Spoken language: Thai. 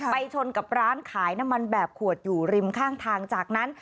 ชนกับร้านขายน้ำมันแบบขวดอยู่ริมข้างทางจากนั้น